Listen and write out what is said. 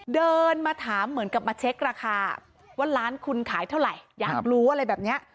เดินมาถามเหมือนกับมาเช็คราคาว่าร้านคุณขายเท่าไหร่อยากรู้อะไรแบบนี้